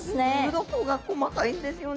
鱗が細かいんですよね